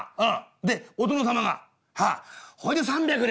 でお殿様がはあほいで三百両！